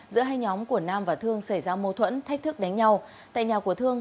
giữa hai nhóm của nam và thương xảy ra mâu thuẫn thách thức đánh nhau tại nhà của thương